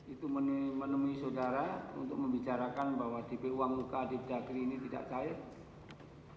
itu menemui saudara untuk membicarakan bahwa dp uang luka adib dageri ini tidak kait